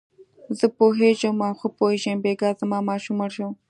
زه پوهېږم او ښه پوهېږم، بېګا زما ماشوم مړ شو.